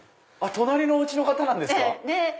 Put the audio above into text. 隣のお家の方なんですか！